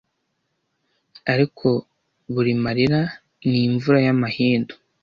Ariko buri marira ni imvura y'amahindu,